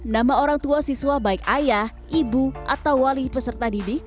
nama orang tua siswa baik ayah ibu atau wali peserta didik